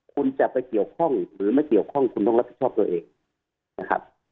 คุณจะไปเกี่ยวข้องหรือไม่เกี่ยวข้องคุณต้องรับผิดชอบตัวเองนะครับ